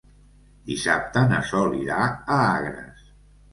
Dissabte na Sol irà a Agres.